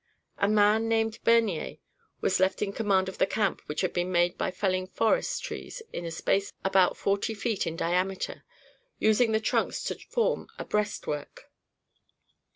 A man named Bernier was left in command of the camp which had been made by felling forest trees in a space about forty feet in diameter, using the trunks to form a breastwork.